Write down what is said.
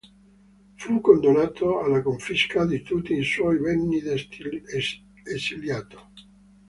Fu condannato alla confisca di tutti i suoi beni de esiliato.